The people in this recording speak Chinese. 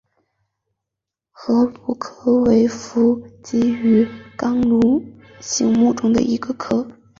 河鲈科为辐鳍鱼纲鲈形目的其中一个科。